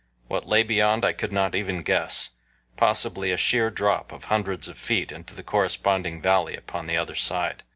What lay beyond I could not even guess possibly a sheer drop of hundreds of feet into the corresponding valley upon the other side.